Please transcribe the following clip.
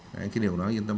đấy cái điều đó yên tâm